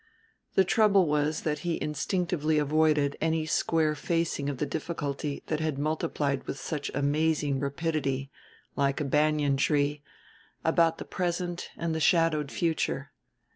The trouble was that he instinctively avoided any square facing of the difficulty that had multiplied with such amazing rapidity like a banyan tree about the present and the shadowed future.